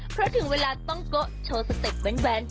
เพราะถึงเวลาต้องโกะโชว์สเต็ปแว้น